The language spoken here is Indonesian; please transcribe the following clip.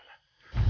aku mau makan